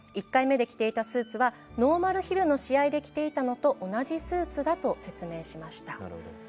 １回目で着ていたスーツはノーマルヒルの試合で着ていたのと同じスーツだと説明しました。